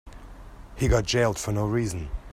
He got jailed for no reason.